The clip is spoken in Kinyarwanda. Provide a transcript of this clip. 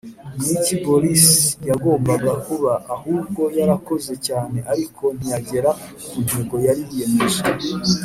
Ni iki Boris yagombaga kuba ahubwo yarakoze cyane ariko ntiyagera ku ntego yari yiyemeje.